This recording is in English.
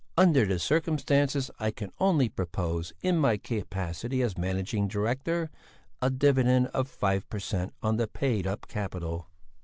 "Under the circumstances I can only propose, in my capacity as Managing Director, a dividend of 5 per cent. on the paid up capital."